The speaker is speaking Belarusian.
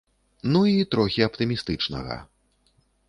Ну і трохі аптымістычнага.